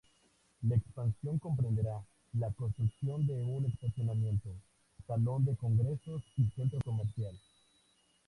La expansión comprenderá la construcción de un estacionamiento, salón de congresos y centro comercial.